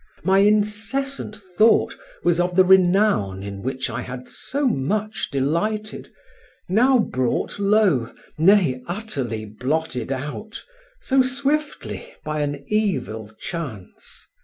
My incessant thought was of the renown in which I had so much delighted, now brought low, nay, utterly blotted out, so swiftly by an evil chance.